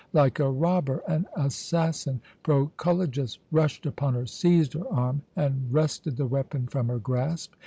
"Like a robber, an assassin, Proculejus rushed upon her, seized her arm, and wrested the weapon from her grasp.